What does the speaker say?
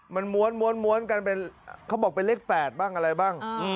มันม้วนกันเป็นเขาบอกเป็นเลข๘บ้างอะไรบ้าง